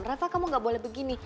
reva kamu nggak boleh begini